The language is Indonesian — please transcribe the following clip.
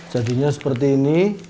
jadinya seperti ini